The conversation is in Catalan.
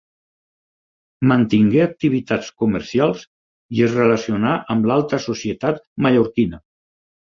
Mantingué activitats comercials i es relacionà amb l'alta societat mallorquina.